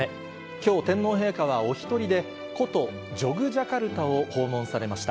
きょう、天皇陛下はお１人で、古都ジョグジャカルタを訪問されました。